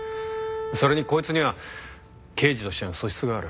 それにこいつには刑事としての素質がある。